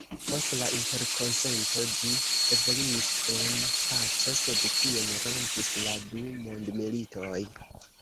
Post la Interkonsento ĝi evoluis en paco, sed tion rompis la du mondmilitoj.